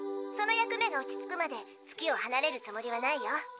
その役目が落ち着くまで月をはなれるつもりはないよ。